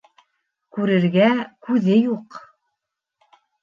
Күрергә күҙе юҡ